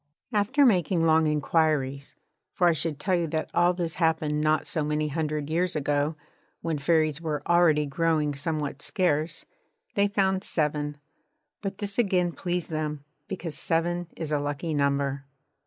After making long inquiries for I should tell you that all this happened not so many hundred years ago, when Fairies were already growing somewhat scarce they found seven. But this again pleased them, because seven is a lucky number.